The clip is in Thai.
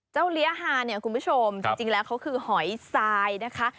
เลี้ยฮาเนี่ยคุณผู้ชมจริงแล้วเขาคือหอยทรายนะคะ